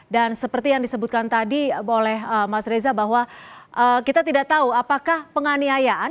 dan seperti yang disebutkan tadi oleh mas reza bahwa kita tidak tahu apakah penganiayaan